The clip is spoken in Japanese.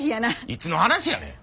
いつの話やねん。